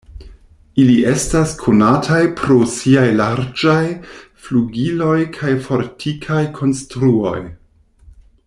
Ili estas konataj pro siaj larĝaj flugiloj kaj fortikaj konstruoj.